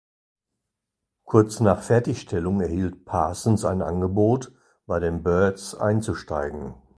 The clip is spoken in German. Kurz nach Fertigstellung erhielt Parsons ein Angebot, bei den Byrds einzusteigen.